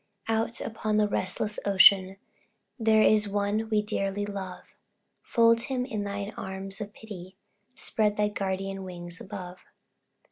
Out, upon the restless ocean, There is one we dearly love, Fold him in thine arms of pity, Spread thy guardian wings above.